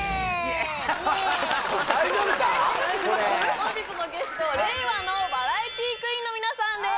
本日のゲスト令和のバラエティクイーンの皆さんです